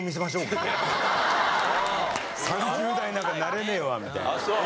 ３０代なんかなれねえわみたいな。